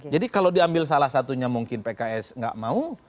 jadi kalau diambil salah satunya mungkin pks gak mau